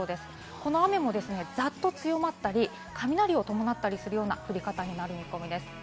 この雨もざっと強まったり雷をともなったりするような降り方になる見込みです。